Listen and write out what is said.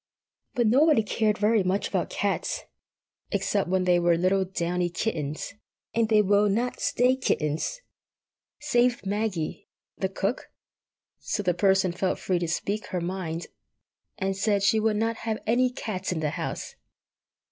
But nobody cared very much about cats—except when they were little downy kittens, and they will not stay kittens!—save Maggie, the cook; so the Person felt free to speak her mind, and said she would not have any cats in the house.